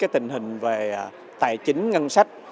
tình hình về tài chính ngân sách